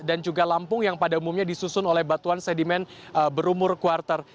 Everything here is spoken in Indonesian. dan juga lampung yang pada umumnya disusun oleh batuan sedimen berumur kuarter